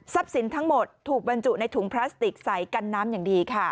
สินทั้งหมดถูกบรรจุในถุงพลาสติกใส่กันน้ำอย่างดีค่ะ